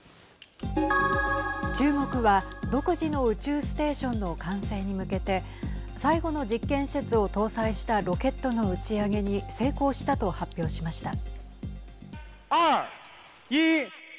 中国は独自の宇宙ステーションの完成に向けて最後の実験施設を搭載したロケットの打ち上げに成功したと発表しました。